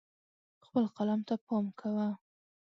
خپل قلم ته پام کوه.